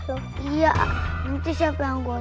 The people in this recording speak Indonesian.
dimana ibu ndaku